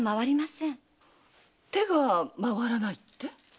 「手がまわらない」って？